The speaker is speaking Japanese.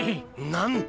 何だ！？